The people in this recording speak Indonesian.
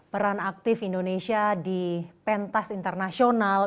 peran aktif indonesia di pentas internasional